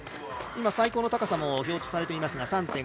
最高の高さも表示されていますが３．５ｍ。